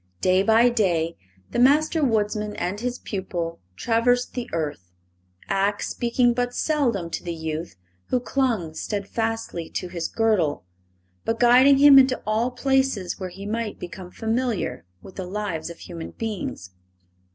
Day by day the Master Woodsman and his pupil traversed the earth, Ak speaking but seldom to the youth who clung steadfastly to his girdle, but guiding him into all places where he might become familiar with the lives of human beings.